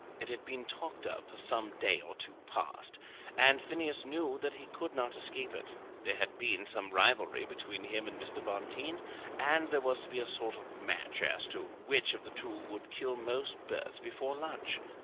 It had been talked of for some day or two past, and Phineas knew that he could not escape it. There had been some rivalry between him and Mr. Bonteen, and there was to be a sort of match as to which of the two would kill most birds before lunch.